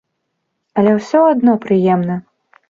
Але ўсё адно прыемна!